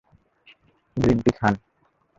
Green tea Khan.